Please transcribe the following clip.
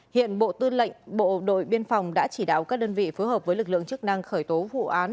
hiện bộ tư lệnh bộ đội biên phòng đã chỉ đạo các đơn vị phối hợp với lực lượng chức năng khởi tố vụ án